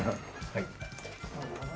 はい。